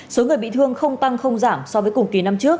số người bị thương không tăng không giảm so với cùng kỳ năm trước